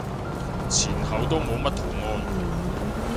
前後都冇乜圖案